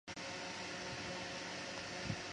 宋代以前称解头。